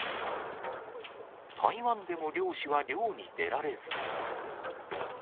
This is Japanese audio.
台湾でも漁師は漁に出られず。